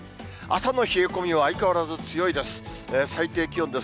朝の冷え込みは相変わらず強いです。